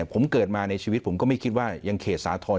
ผมเกิดมาในชีวิตผมก็ไม่คิดว่ายังเขตสาธรณ